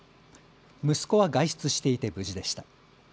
息子は外出していて無事でした。